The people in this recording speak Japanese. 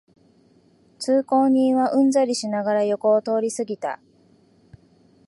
通行人はうんざりしながら横を通りすぎた